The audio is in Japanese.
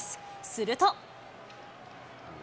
すると。